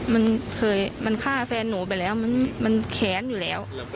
มันเคยมันฆ่าแฟนหนูไปแล้วมันแค้นอยู่แล้ว